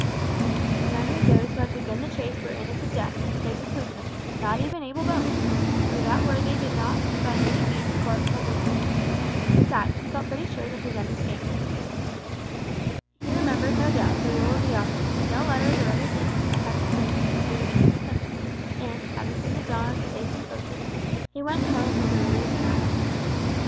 None of those who had begun the chase were in at the death save the policeman, not even Abel Bones, for that worthy did not by any means court publicity. Besides, he felt pretty sure that his end was gained. He remembered, no doubt, the rule of the Office, that no letters or other things that have been posted can be returned to the sender, and, having seen the dog safely posted, he went home with a relieved mind.